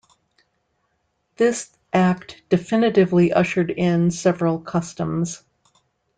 This act definitively ushered in several customs.